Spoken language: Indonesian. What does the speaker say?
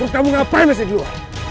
kamu ngapain masih keluar